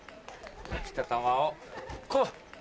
来た球をこう！